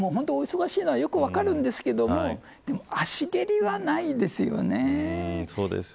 お忙しいのよく分かるんですけど足蹴りはないですよね。